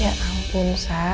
ya ampun sa